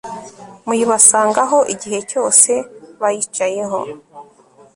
muyibasangaho igihe cyose bayicayeho